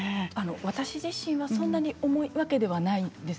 私自身はそんなに重いわけではないんです